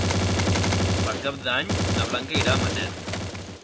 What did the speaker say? Per Cap d'Any na Blanca irà a Matet.